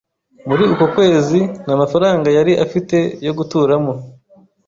Muri uko kwezi, nta mafaranga yari afite yo guturamo